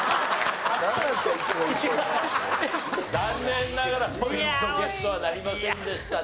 残念ながらポイントゲットはなりませんでした。